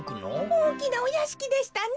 おおきなおやしきでしたね。